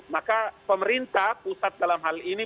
maka pemerintah pusat dalam hal ini